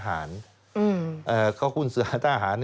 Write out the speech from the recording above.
หากเค้าคุณสนต้านท่าหาร